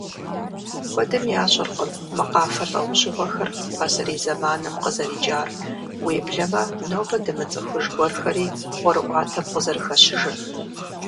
Куэдым ящӏэркъым мы къафэ лӏэужьыгъуэхэр пасэрей зэманым къызэрикӏар, уеблэмэ нобэ дымыцӏыхуж гуэрхэри ӏуэрыӏуатэм къызэрыхэщыжыр.